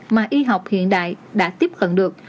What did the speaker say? mà y học hiện đại đã tiếp cận được